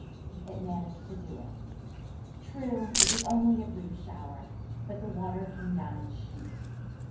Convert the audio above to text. It managed to do it. True, it was only a brief shower: but the water came down in sheets.